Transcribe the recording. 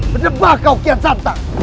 mendebah kau kian santang